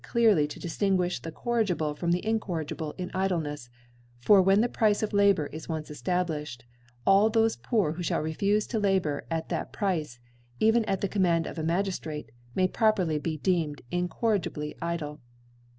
clearly todiftinguifli the Corrigible from the Incorrigible in Idlenefs : for when the Price of Labour i$ once eftablilhed, all thofe Poor who ihall refufe to labour at that Price,' even at the Command of a Magiftrate, may pro perly be deemed incorrigibly icjle.